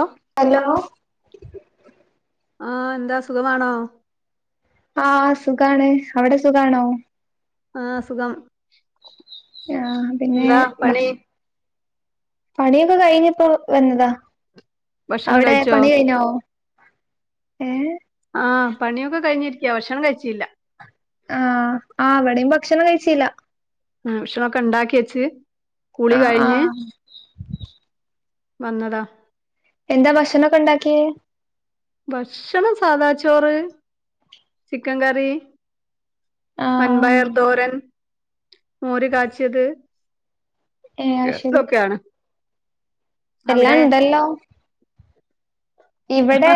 ഓഹ് hello? ആഹ എന്താ അ സുഖമാണോ? ആ, സുഖാണ്, അവിടെ സുഖണോ? ആഹ, സുഖം. ആ പിന്നെ, എന്താ പണി ഭക്ഷ പണിയൊക്കെ കഴിഞ്ഞപ്പോ വന്നതാ, ഭക്ഷണം അവിടെ കഴിച്ചോ പണി കഴിഞ്ഞോ? ഏ? ആഹ, പണിയൊക്കെ കഴിഞ്ഞിരിക്ക, ഭക്ഷണം കഴിച്ചില്ല. ആഹ ആ, അവിടെയും ഭക്ഷണം കഴിച്ചില്ല. ഉം, ഭക്ഷണം ഒക്കെ ഉണ്ടാക്കി വെച്ച്, കുളി ആഹ് കഴിഞ്ഞ്. ആഹ് വന്നതാ. എന്താ ഭക്ഷണക്കെ ഉണ്ടാക്കിയേ? ഭക്ഷണം സാധാ ചോറ്, ചിക്കൻ കറി. ആഹ് വൻപയർതോരൻ, മോര് കാച്ചിത്. ഏഹ് അത് ശരി എതൊക്കെയാണ്. എല്ലാം ഉണ്ടല്ലോ? ഇവിടെ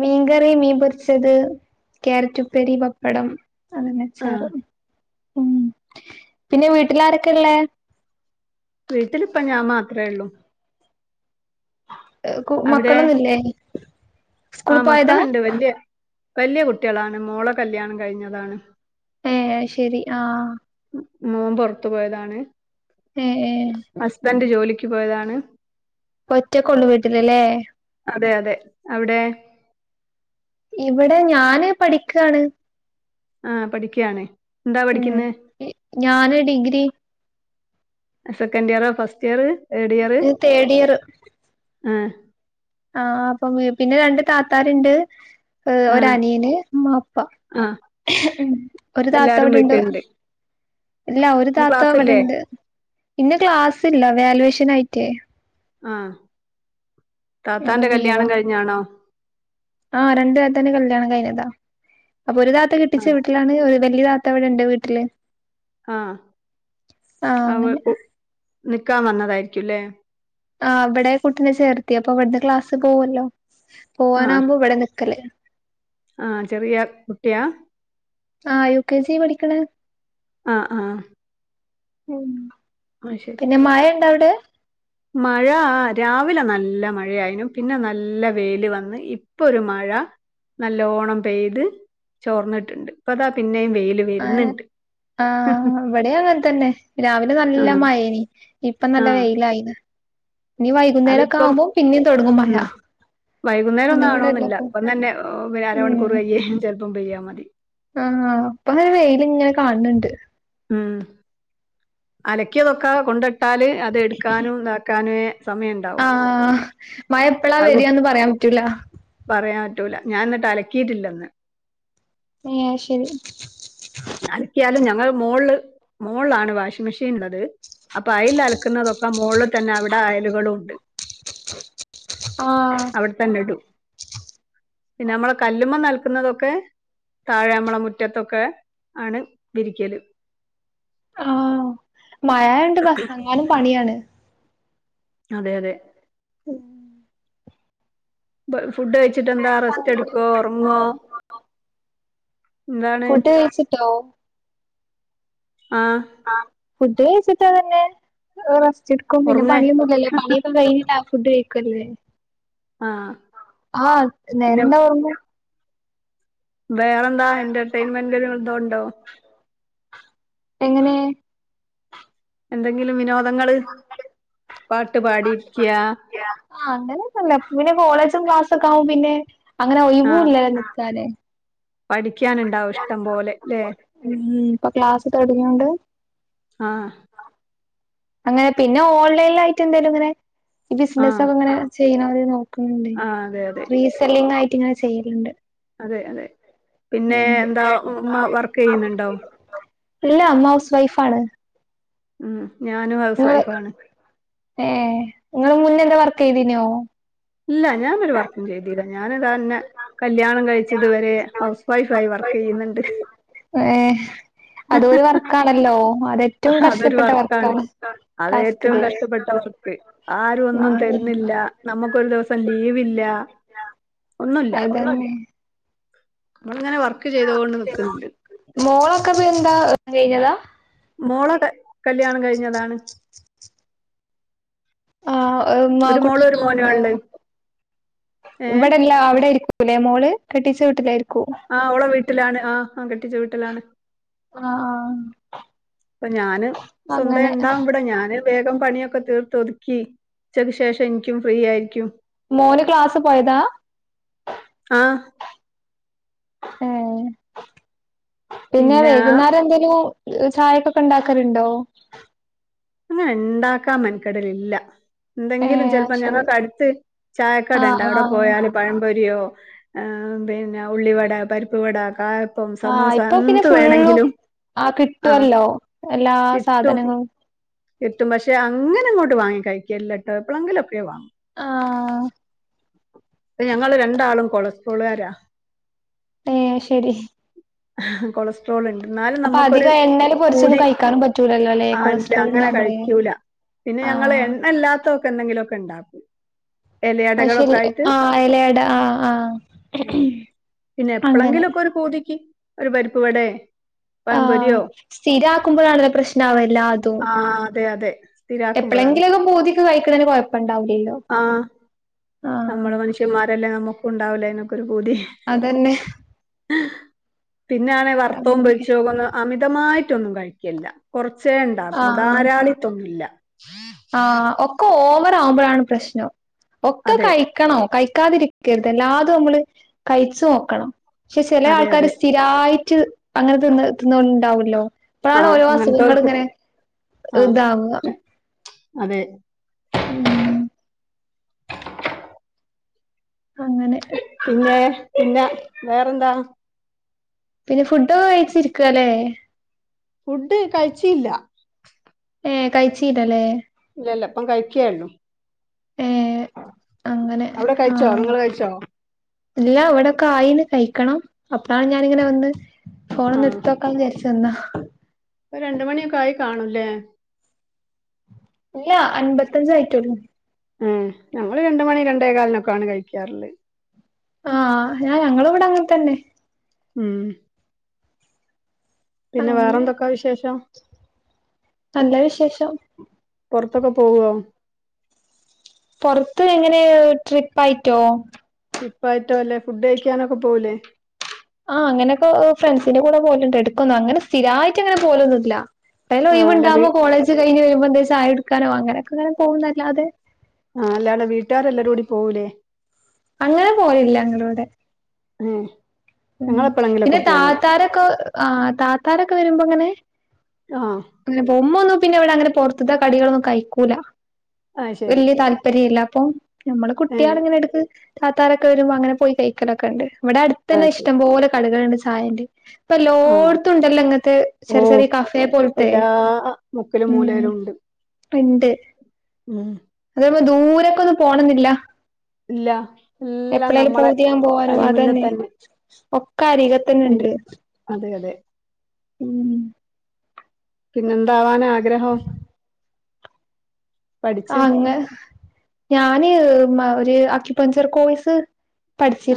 മീൻകറി, മീൻ പൊരിച്ചത്, കാരറ്റുപ്പേരി, പപ്പടം. ആ [unintelligible] ഉം പിന്നെ വീട്ടിൽ ആരൊക്കെ ഉള്ളേ? വീട്ടിലിപ്പ ഞാൻ മാത്രേ ഉള്ളൂ. കു അവിടെ മക്കളൊന്നുംല്ലേ? സ്കൂൾ ആ പോയതാ മക്കളുണ്ട്. വല്യേ വല്യേ കുട്ടികളാണ്, മോള കല്യാണം കഴിഞ്ഞതാണ്. ഏഹ് ശരി. ആ മോൻ പൊറത്തു പോയതാണ്. ഏഹ് ഏ. ഹസ്ബന്റ് ജോലിക്ക് പോയതാണ്. ഒറ്റക്കൊള്ളു വീട്ടിലല്ലേ. അതെ അതെ, അവിടെ? ഇവിടെ ഞാന് പഠിക്കാണ്. ആ പഠിക്കാണ്. ഉം ഞാന് ഡിഗ്രി. സെക്കൻഡ് ഇയറാ first year, third year third year ആ. ആഹ് ആ അപ്പം പിന്നെ രണ്ട് താത്താര്ണ്ട്. ഏഹ് ഒരു ആഹ് അനിയന് ഉമ്മ ഉപ്പ, ആഹ് ഒരു താത്ത എല്ലാരും ഇവിടെണ്ട്. വീട്ടില്ണ്ട്. ഇല്ല ഒരു ഇന്ന് താത്ത ക്ലാസ്സില്ലേ? ഇവിടെണ്ട്. ഇന്ന് ക്ലാസ്സ്ല്ല വാലുവേഷൻ ആയിട്ട്. ആ എന്തോ താത്താന്റെ കല്യാണം കഴിഞ്ഞാണോ? ആഹ് രണ്ട്‌ താത്താന്റെ കല്യാണം കഴിഞ്ഞതാ. അപ്പൊ ഒരു താത്ത കെട്ടിച്ചു ആഹ് വീട്ട ണ് വലിയ താത്തവിടെ ണ്ട് വീട്ടില്. ആഹ ആ അവൾ അങ്ങനെ കു നിക്കാൻ വന്നതായിരിക്കുംല്ലേ? ആ ഇവിടെ കൂട്ടീനെ ചേർത്തി. അപ്പൊ ഇവിടുന്ന് ക്ലാസ് പോവല്ലോ, പോവാനാകുമ്പോ ഇവിടെ നിക്കല്. ആഹ ചെറിയ കുട്ടിയാ? ആ യു കെ ജി പഠിക്കണ്. ആഹ് ആ. ഉം. [unintelligible] പിന്നെ മഴണ്ട അവിടെ? മഴ ആ രാവിലെ നല്ല മഴയായിനു, പിന്നെ നല്ല വെൽ വന്ന്, ഇപ്പൊ ഒരു മഴ. നല്ലോണം പെയ്ത് ചോർന്നിട്ട്ണ്ട്. ഇപ്പ അതാ പിന്നെയും വെയില് വര്ന്ന്ണ്ട്. ആ ഇവിടെം അങ്ങനെ തന്നെ. രാവിലെ നല്ല ആഹ് മയേനി, ഇപ്പ നല്ല ആഹ് വെയിലായിന്ന്. ഇനി വൈകുന്നേരൊക്കെ ആവുമ്പോ പിന്നേം തൊടങ്ങും മഴ. വൈകുന്നേരൊന്നും ആവണോന്നില്ല. അങ്ങനെയല്ലപ്പൊ ഇപ്പം തന്നെ ഏഹ് അരമണിക്കൂർ കയ്ഞ്ഞ ചെലപ്പം പെയ്യാ മതി. ആ ഇപ്പങ്ങനെ വെയില്ങ്ങനെ കാണണണ്ട്. ഉം അലക്കിയതൊക്കാ കൊണ്ടിട്ടാല് അത് എടുക്കാനും താക്കാനേ സമയണ്ടാ ആ മഴ എപ്പളാ വരാന്ന് പറയാൻ പറ്റൂല. പറയാൻ പറ്റൂല. ഞാൻ ഇന്നട്ട് അലക്കിയിട്ടില്ലന്ന്. ഏഹ് അത് ശരി. അലക്കിയാലും, ഞങ്ങള് മോളില് മോളിലാണ് വാഷിംങ്ങ് മെഷീൻ ഇള്ളത്. അപ്പൊ അയില് അലക്കുന്നതൊക്കെ മോള് തന്നെ അവിടെ അയലുകളും ഇണ്ട്. ആ തൊരുത്തൻ എടു. പിന്നെ നമ്മളെ കല്ലുമ്മന്നലക്കുന്നതൊക്കെ താഴെമ്മള മുറ്റത്തൊക്കെ. ആണ് വിരിക്കലും ആ മയായോണ്ട് [unintelligible] ങ്ങാനും പണിയാണ്. അതെ അതെ ഉം വ ഫുഡ് കഴിച്ചിട്ടെന്താ റെസ്റ്റ് എടുക്കോ ഒറങ്ങോ? ഫുഡ് കഴിച്ചിട്ടോ? ആ ആ ഫുഡ്‌ കഴിച്ചിട്ട വരണേ? റസ്റ്റ് എട്ക്കും. പിന്നെ ഉറങ്ങേ പണിയൊന്ന്ല്ലല്ലോ പണിയൊക്കെ കഴിഞ്ഞിട്ട ഫുഡ് കഴിക്കല്ലേ. ആ ആ പിന്നെ [unintelligible] വേറെന്താ എന്റർടൈയിൻമെന്റ്കൾന്തോ ഉണ്ടോ? എങ്ങനെ? എന്തെങ്കിലും വിനോദങ്ങള് പാട്ട് പാടിരിക്ക ആ അങ്ങനെന്നുല്ല. പിന്നെ കോളേജും ക്ലാസ്സൊക്കെ ആവുമ്പൊ പിന്നെ അങ്ങനെ ഒയിവൂല്ലല്ലോ നിക്കാന്. പഠിക്കാന്ണ്ടാവും ഇഷ്ടം പോലെ ലെ? ഉം ഇപ്പൊ ക്ലാസ്സ് തൊടങ്ങോണ്ട് ആഹ് അങ്ങനെ പിന്നെ ഓൺലൈലായിട്ട് എന്തേലുങ്ങനെ ആഹ് ബിസിനസ്നൊക്കെങ്ങനെ ചെയ്യണത് നോക്കുണ്ടെ ആഹ് അതെ അതെ റീസെല്ലിങ്ങായിട്ട് ഇങ്ങനെ ചെയ്യല്ണ്ട്. അതെ അതെ. പിന്നെ എന്താ ഉമ്മ വർക്കെയ്യ്ണണ്ടോ? ഇല്ല ഉമ്മ ഹൗസ് വൈഫാണ്. ഉ ഞാനും ഹൗസ്‌ വൈഫാണ്. ഏ ഇങ്ങള് മുന്നെന്താ വർക്ക് ചെയ്തീനോ? ഇല്ല ഞാൻ ഒരു വർകു ഒന്നും ചെയ്തില്ല. ഞാനാതന്നെ ഇന്നെ കല്യാണം കയ്ച്ചതുവരെ ഹൗസ് വൈഫായി വർക്ക് ചെയ്യുന്നുണ്ട്. ഏ അതൊരു വർക്കാണല്ലോ. അതെ അതൊരു വർക്കാണ്. അത് ഏറ്റവും ടാസ്ക്കള് കഷ്ടപ്പെട്ട വർക്ക്. ആരും ഒന്നും ഉം തരുന്നില്ല. നമുക്കൊരു ദിവസം ലീവില്ല. ഒന്നുല്ല. അതന്നെ നമ്മളിങ്ങനെ വർക്ക് ചെയ്തോണ്ട് നിക്ണ്ണ്ട് മോളൊക്കെ ഇപ്പ എന്താ കയ്ഞ്ഞതാ? മോളൊക്കെ കല്യാണം കഴിഞ്ഞതാണ്. ആ മാ ഒരു മോളും ഒരു മോനുവാ കുട്ട്യേള്ണ്ടോ? ഇള്ളെ. ഏഹ് ഇവിടെല്ല അവിടെര്ക്കും ഇലേ മോള്. കെട്ടിച്ച വീട്ടിലായിരിക്കു. ആ ഓളെ വീട്ടിലാണ്. ആ ആ കെട്ടിച്ച വീട്ടിലാണ്. ആഹ് ആഹ് ഇപ്പൊ ഞാന് സ്വന്തായി അങ്ങനെ ഇണ്ടാവും. ഇബടെ ഞാന് വേഗം പണിയൊക്കെ തീർത്ത് ഒതുക്കി. ഉച്ചക്ക് ശേഷം എനിക്കും ഫ്രീ ആയിരിക്കും. മോന് ക്ലാസ് പോയതാ? ആഹ് ഏ പിന്നെ പിന്നാ വൈകുന്നേരം എന്തേലു ഇത് ചായക്കൊക്കെ ഒണ്ടാക്കാലുണ്ടോ? അങ്ങനെ ഇണ്ടാക്കാൻ മെനക്കെടലില്ല. ന്തെങ്കിലും ഏഹ് അത് ചെലപ്പോ ശരി ഞങ്ങക്ക് അടുത്ത് ചായക്കട ഇണ്ട് ആഹ് അവിട ആഹ് പോയാല് പഴംപൊരിയോ ആ പിന്നെ ഉള്ളിവട, പരിപ്പുവട, കാ പ്പം ആഹ് സമൂസ ഇപ്പൊ പിന്നെ എന്ത് ഫുള്ളും വേണെങ്കിലും ആഹ് എല്ലാ കിട്ടും. സാധനങ്ങളും കിട്ടും പക്ഷെ അങ്ങനെ ഇങ്ങോട്ട് വാങ്ങി കഴിക്കലില്ലട്ടോ. എപ്പൊളെങ്കിലൊക്കെ വാങ്ങും. ആ ടെ ഞങ്ങള് രണ്ടാളും കൊളസ്ട്രോളുകാരാ. ഏ ശെരി. കൊളസ് ട്രോള് ഇണ്ട്. ഇന്നാലും അപ്പൊ നമ്മക്കൊര് അധികം എണ്ണേല് പൊരിച്ചൊന്നും പൂതി. കഴിക്കാനും പറ്റൂലല്ലോ അല്ലെ ആഹ് ഇല്ല കൊളസ്ട്രോൾ അങ്ങനെ ഉണ്ടാവുമ്പോളേ കഴിക്കൂല പിന്നെ ഞങ്ങള് ആഹ് എണ്ണയില്ലാത്തൊതക്കെ എന്തെങ്കിലൊക്കെ ഇണ്ടാക്കും അത് ശരി ആഹ് എലയട ആഹ് ആഹ് പിന്നെ അങ്ങനെ എപ്പളങ്കിലൊക്ക ഒരു പൂതിക്ക് ഒരു പരിപ്പ്‌വടേ ആഹ് സ്ഥിരാക്കുമ്പഴാണല്ല പ്രശ്നാവ എല്ലാതും ആ അതെ അതെ സ്ഥിരാക്കുമ്പോഴാണ് എപ്പളെങ്കിലും ഒക്കെ പൂതിക്ക് കഴിക്ക്ണേന് കൊഴപ്പ ഉണ്ടാവൂലല്ലോ ആഹ് നമ്മള് മനുഷ്യന്മാരല്ലേ നമ്മക്കു ഉണ്ടാവൂലേ അയ്നൊക്കൊരു പൂതി അതന്നെ പിന്ന ഞാനെ വറ്ത്തൊം അങ്ങനെ പൊരിച്ചത് ഒന്നും അമിതമായിട്ടൊന്നും കഴിക്കേല്ല കൊറച്ചേ ഉണ്ടാക്കും. ആഹ് ധാരാളിത്തൊന്നു ഇല്ല ആഹ് ഒക്കൊ ഓവറാവുമ്പഴാണ് പ്രശ്നം. ഒക്കെ അതെ കഴി ക്കണോ കഴിക്കാതിരിക്കരുത് എല്ലാതു നമ്മള് കഴിച്ച് നോക്കണം. പക്ഷെ ചെല അതെ ആൾക്കാര് അതെ സ് ചി യായിറ്റ് അങ്ങന തിന്ന് തിന്നോണ്ട് ഇണ്ടാവൊല്ലോ ആ ഇപ്പളാണ് ഓരോ അസുഖങ്ങള് അങ്ങനത്തെ ഇങ്ങെനെ ആ ഇതാവ അതെ ഉം അങ്ങനെ ഇഹ് പിന്നേ പിന്ന വേറെന്താ പിന്നെ ഫുഡൊക്ക കഴിച്ചിരിക്കാല്ലേ ഫുഡ് കഴിച്ചീല്ല ഏഹ് കഴിച്ചീലല്ലേ ഇല്ലല്ല ഇപ്പം കഴിക്കേ ഒള്ളൂ ഏഹ് അങ്ങനെ അവിടെ കഴിച്ചോ ആഹ് നിങ്ങള് കഴിച്ചോ ഇല്ല ഇവിടൊക്ക ആയീന്ന് കഴിക്കണം. അപ്പളാണ് ഞാനിങ്ങനെ വന്ന് ഫോണൊന്ന് എട്ത്തോ ൽക്കാന്ന് വിചാരിച്ച് വന്ന. ഒരു രണ്ട് മണിയൊക്കെ ആയി കാണൂല്ലേ ഇല്ല അൻപത്തഞ്ചേ ആയി റ്റൊള്ളൂ ആഹ് ഞങ്ങള് രണ്ട് മണി രണ്ടേകാലിനൊക്കെ ആണ് കഴിക്കാറ്ള്ളേ ആഹ് ഞാൻ ഞങ്ങളും ഇവിട അങ്ങന തന്നെ ഉം പിന്നെ അങ്ങനെ വേറെന്തൊക്ക വിശേഷം നല്ല വിശേഷം പൊറ്ത്തൊക്ക പോവോ പൊറ്ത്ത് എങ്ങനെ ട്രിപ്പായിറ്റോ ട്രിപ്പായിറ്റോ അല്ലേ ഫുഡ് കഴിക്കാനൊക്ക പോവുലേ ആഹ് അങ്ങനെക്ക ഒ ഓ ഫ്രണ്ട്സിന്റെ കൂടെ പോഹല്ണ്ട് എട്ക്കൊന്ന്. അങ്ങനെ സ്ഥിരായിറ്റ് അങ്ങനെ പോവലൊന്നു ഇല്ല [unintelligible] ആഹ് അല്ല വീ ഒഴിവുണ്ടാവുമ്പോ കോളേജ് കഴിഞ്ഞ് വരുമ്പ എന്തേ ചായകൊടുക്കാനോ അങ്ങനെക്കങ്ങനെ പോകുന്നതല്ലാതെ ആഹ് അല്ലാതെ വീട്ടുകാരെല്ലരും കൂടി പോകൂലേ, അങ്ങനെ പോവല്ല ഞങ്ങളവ്ടെ ഉം ഉം. പിന്നെ താത്താരൊക്കെ ആഹ് താത്താരൊക്കെ വരുമ്പോ അങ്ങനെ ആഹ് ഇന്റെ ഉമ്മൊന്നും പിന്നെ ഇവിടെ അങ്ങനെ പുറത്ത്ത്തെ കടികളൊന്നും കഴിക്കൂല. അത് ശരി വല്യ താല്പര്യ ഇല്ല. അപ്പൊ നമ്മടെ ഏഹ് കുട്ട്യേളെങ്ങനെ എടുക്ക് താത്താരൊക്കെ വരുമ്പ അങ്ങനെ പോയി കഴിക്കലൊക്കെണ്ട്. ഇവിടെ അട്ത്തെന്നെ അത് ശരി ഇഷ്ടം പോലെ കടകള്ണ്ട് ചായേന്റെ ഇപ്പ ആഹ് എല്ലോട്ത്തുണ്ടല്ലോ ഇങ്ങൻത്തെ ചെറ്യേ ഓഹ് ചെറ്യേ കഫെ പോലു എല്ലാ മുക്കിലും മൂലയിലുണ്ട് ഉം അതേപോലെ ദൂരേക്കൊന്നും പോണെന്നില്ല. ഇല്ല എല്ലാം എപ്പളേലും നമ്മളെ പൂതിയാകും പോവാനും കൺമുന്നിൽ അതെന്നെ ! തന്നെ ! ! ! ! അതെയതെ ഉമ് പിന്നെ എന്താവാനാ ആഗ്രഹം. പഠിച്ച് ആഹ് അങ്ങ് ഞാൻ ഒരു അക്വിപ്പഞ്ചർ കോഴസ്.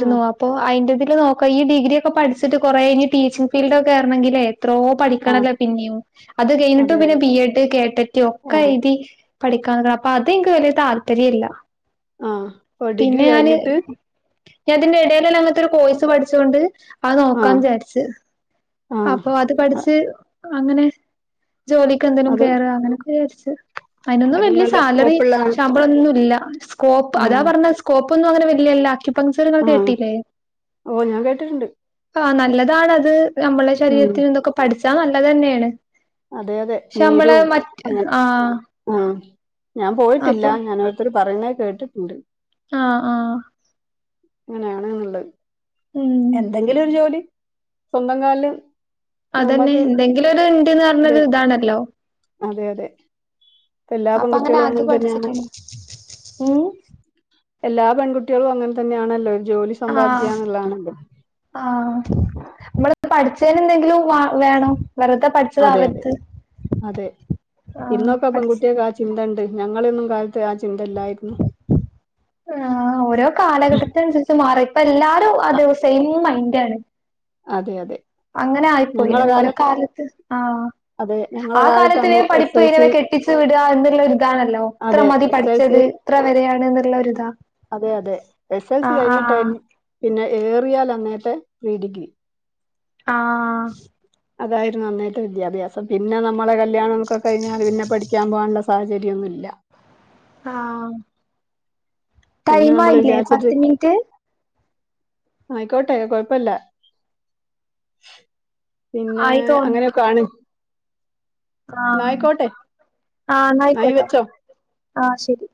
ആ അപ്പോ അയിന്റെ തില് നോ ഈ ഡിഗ്രിയൊക്കെ പഠിച്ചിട്ടു കുറേയിനി ടീച്ചിംഗ് ഫീൽഡിൽ കേറണെങ്കിലേ എത്രോ ആ പഠിക്കണല്ലോ പിന്നെയും അതുകഴിഞ്ഞിട്ടു അതെ പിന്നെ അതെ ബി. ഏഡ് ആ കേട്ടറ്റിയൊക്കെ എഴുതി. പഠിക്കാനപ്പൊ അതെനിക്കു വലിയ താല്പര്യമില്ല. ആ ഓ ഡിഗ്രി പിന്നെ ഞാന് കഴിഞ്ഞിട്ട് ഞാനതിന്റെ ഇടയിലുള്ള അങ്ങനത്തെയൊരു കോഴസു പഠിച്ചോണ്ട്. അഹ് ആ നോക്കാന്നു വിചാരിച്ചു. ആ അപ്പൊ അതു അ പഠിച്ച് അങ്ങനെ.. ജോലിക്കെന്തെങ്കിലും അത് കേറ അങ്ങനെയൊക്കെ വിചരിച്ച് അതിനൊന്നും അത് വലിയ നല്ല സാലറി, സ്കോപ്പുള്ളതാണ് ശമ്പളോന്നുല്ല. സ്കോപ്പ് അതാ ഉം പറഞ്ഞത് സ് സ്കോപ്പൊന്നുങ്ങനെ വല്ല്യ ല്ലാ ആക്യുപൻചർ ങൾ ആ കെട്ടിയില്ലേ ഓ ഞാൻ കേട്ടിട്ടുണ്ട് ആ നല്ലതാണതു നമ്മടെ ഉം ശരീരത്തിനിനൊക്കെ പഠിച്ചാ നല്ലതു തന്നെയാണ്. അതെ അതെ ശേ മ്മൾ മറ്റ് ആഹ് ആഹ് ഞാൻപോയിട്ടില്ല. അപ്പൊ ഞാനോരുത്തരു പറയണേ കേട്ടിട്ടുണ്ട്. ആഹ് ആഹ് ഇങ്ങനെയാണുള്ളത്, ഉം എന്തെങ്കിലൊരു ജോലി സ്വന്തം കാലില് അതന്നെ എന്തെങ്കിലൊരുണ്ടെന്നു പറഞ്ഞ ഇത് ഇതാണല്ലോ അതെ അതെ ഇപ്പൊ എല്ലാ അപ്പൊ അങ്ങനെ പെൺകുട്ടികളും അത്‌ തന്നെയാണ് പഠിച്ചിട്ടുണ്ട്. ഉമ് എല്ലാ പെൺകുട്ടികളും അങ്ങനെ തന്നെയാണല്ലോ ഒരു ജോലി സമ്പാദിക്കുക എന്നുള്ളതാണല്ലോ ആഹ്‌ നമ്മൾ പഠിച്ചേനെന്തെങ്കിലും വ വേണോ വെറുതെ പഠി അതെയതെ, അതെ ആഹ് ഇന്നൊക്കെ പഠിച്ച് പെൺകുട്ടികൾ കാ ചിന്ത ഇണ്ട് ഞങ്ങളൊന്നും കാലത്താ ആഹ് ചിന്തയില്ലായിരുന്നു. ആഹ് ഓരോ കാലഘട്ടത്തിനനുസരിച്ചു മാറി ഇപ്പല്ലാരും അത് സെയിം മൈൻഡാണ് അതെയതെ അങ്ങനെ ആയിപ്പോയി. ഓരോ കാലത്ത്. ആഹ് അതെ ഞങ്ങളെ ആ കാലത്ത് കാലത്തില്‌ അന്ന് എസ് പഠിപ്പു എൽ തീരുക സി കെട്ടിച്ചു വിടുക എന്നുള്ളതാണല്ലോ ഇത്ര അതെ മതി എസ് എൽ പഠിച്ചത്. ഇത്ര വരെയാണെന്നുള്ള യൊരിതാ. അതെയതെ എസ് എൽ സി കഴിഞ്ഞിട്ടായിലും പിന്നെ യേറിയാല ന്നത്തെ പ്രീഡിഗ്രി ആഹ് അതായിരുന്നു അന്നേരത്തെ വിദ്യാഭ്യാസം. പിന്നെ നമ്മടെ കല്യാണക്കെ കഴിഞ്ഞാൽ പിന്നെ പഠിക്കാൻ പോകാനുള്ള സ സാഹചര്യന്നുല്ല ആഹ് പിന്നെ നമ്മൾ ടൈംമായില്ലേ വിചാരിച്ചിട്ട് പത്തു മിനിറ്റ്. ആയിക്കോട്ടെ കൊഴപ്പല്ല. പിന്നെ ആയി തോന്നുന്നു അങ്ങനെയൊക്കെ ആണ് എന്നാ ആഹ് ആയിക്കോട്ടെ ആഹ് നായി ന്നായിക്കോട്ടെ വെച്ചോ ആഹ് ശരി.